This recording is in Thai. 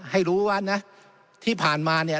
ให้รู้ว่านะที่ผ่านมาเนี่ย